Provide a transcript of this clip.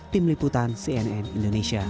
tim liputan cnn indonesia